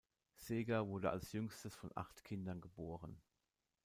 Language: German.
Segar wurde als jüngstes von acht Kindern geboren.